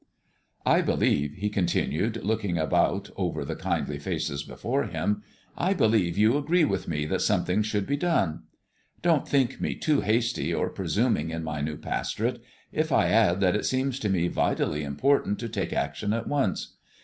_' I believe," he continued, looking about over the kindly faces before him, "I believe you agree with me that something should be done. Don't think me too hasty or presuming in my new pastorate, if I add that it seems to me vitally important to take action at once.